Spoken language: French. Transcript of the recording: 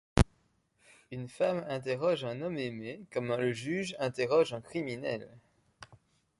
Une femme interroge un homme aimé comme le juge interroge un criminel.